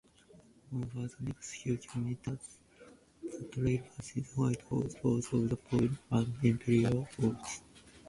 Over the next few kilometres, the trail passes White Falls, Falls-of-the-Pool and Emperor Falls.